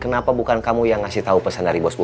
kenapa bukan kamu yang ngasih tau pesan dari bos bubun